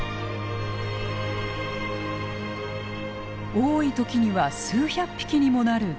多い時には数百匹にもなる大集結。